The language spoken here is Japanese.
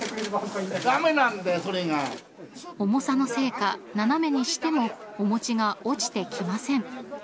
重さのせいか斜めにしてもお餅が落ちてきません。